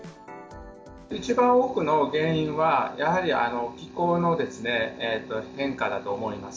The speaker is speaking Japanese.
一番多くの原因は、やはり気候の変化だと思います。